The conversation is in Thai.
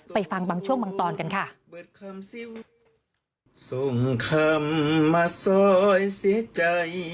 ฟังบางช่วงบางตอนกันค่ะ